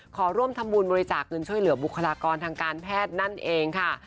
ขอร่วมทำบุญบริจาคเงินช่วยเหลือบุคลากรทางการแพทย์นั่นเองค่ะ